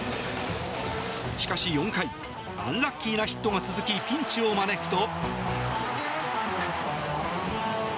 しかし４回アンラッキーなヒットが続きピンチを招くと。